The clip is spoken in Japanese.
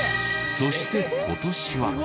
そして今年は。